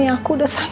saya sudah menang